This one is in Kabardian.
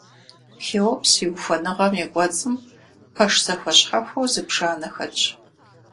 Хеопс и ухуэныгъэм и кӀуэцӀым пэш зэхуэщхьэхуэу зыбжанэ хэтщ.